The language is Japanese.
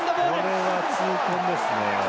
これは痛恨ですね。